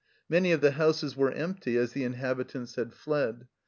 Many of the houses were empty, as the inhabitants had fled.